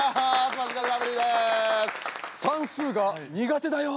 算数が苦手だよ。